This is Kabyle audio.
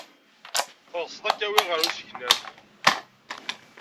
Teɣsed ad k-awiɣ ɣer usegnaf?